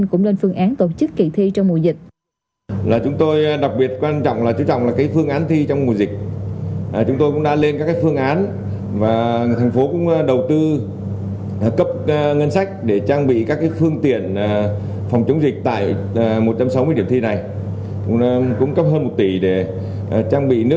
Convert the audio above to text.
cũng lên phương án tổ chức kỳ thi trong mùa dịch